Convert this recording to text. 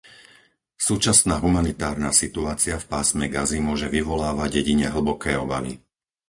Súčasná humanitárna situácia v pásme Gazy môže vyvolávať jedine hlboké obavy.